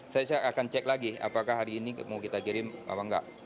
saya akan cek lagi apakah hari ini mau kita kirim apa enggak